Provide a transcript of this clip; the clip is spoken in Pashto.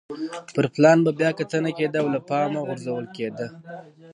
پر پلان به بیا کتنه کېده او له پامه غورځول کېده.